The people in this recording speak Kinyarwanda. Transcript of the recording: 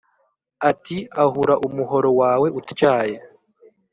ati “Ahura umuhoro wawe utyaye,